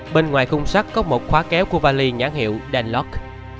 bên ngoài khung sắt có một khóa kéo của vali nhãn hiệu danlot